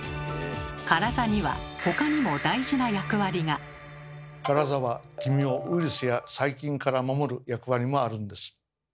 カラザにはカラザは黄身をウイルスや細菌から守る役割もあるんです。